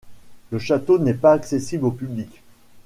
Le château n'est pas accessible au public.